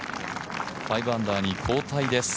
５アンダーに後退です。